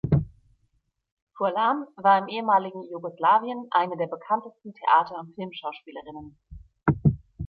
Furlan war im ehemaligen Jugoslawien eine der bekanntesten Theater- und Filmschauspielerinnen.